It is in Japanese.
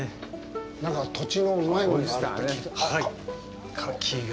なんか、土地のうまいもんがあるって聞いて。